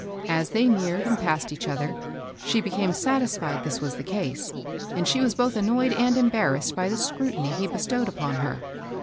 As they neared and passed each other, she became satisfied this was the case ; and she was both annoyed and embarrassed by the scrutiny he bestowed upon her.